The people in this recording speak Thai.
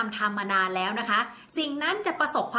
ส่งผลทำให้ดวงชะตาของชาวราศีมีนดีแบบสุดเลยนะคะ